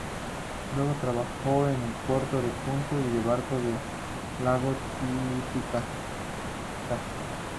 Luego trabajó en el puerto de Puno y en barcos del lago Titicaca.